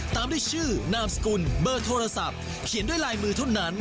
ตามด้วยชื่อนามสกุลเบอร์โทรศัพท์เขียนด้วยลายมือเท่านั้น